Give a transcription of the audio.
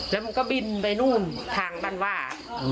แล้วก็บินไปนู่นทางบรรวา